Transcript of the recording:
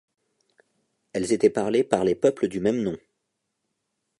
Elles étaient parlées par les peuples du même nom.